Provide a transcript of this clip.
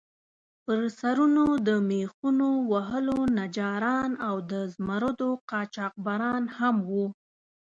پر سرونو د میخونو وهلو نجاران او د زمُردو قاچاقبران هم وو.